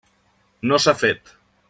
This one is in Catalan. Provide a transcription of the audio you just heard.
No s'ha fet.